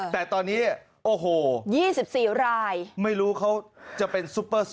แต่ตอนนี้โอ้โหยี่สิบสี่รายไม่รู้เขาจะเป็น